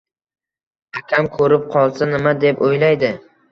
Akam koʻrib qolsa, nima deb oʻylaydi